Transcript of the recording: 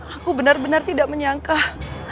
aku benar benar tidak menyangka